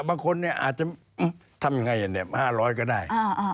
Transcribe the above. บางคนเนี่ยอาจจะทำยังไง๕๐๐ก็ได้